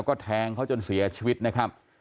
ก็แทงเขาจนเสียชีวิตนะครับ